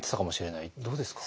どうですか？